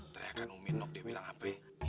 teriakan umi nok dia bilang apa ya